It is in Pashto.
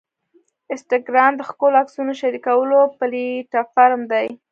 انسټاګرام د ښکلو عکسونو شریکولو پلیټفارم دی.